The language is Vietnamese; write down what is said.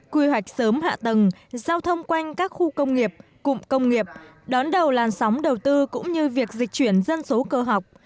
quy hoạch sớm hạ tầng giao thông quanh các khu công nghiệp cụm công nghiệp đón đầu làn sóng đầu tư cũng như việc dịch chuyển dân số cơ học